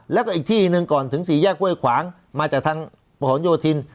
แล้วก็อีกที่หนึ่งก่อนถึงสี่แยกห้วยขวางมาจากทางประหลโยธิน